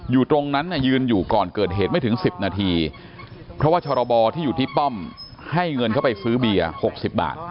อยู่ตรงนั้นยืนอยู่ก่อนเกิดเหตุไม่ถึง๑๐นาทีเพราะว่าชรบที่อยู่ที่ป้อมให้เงินเข้าไปซื้อเบียร์๖๐บาท